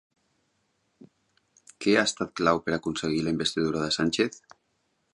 Què ha estat clau per aconseguir la investidura de Sánchez?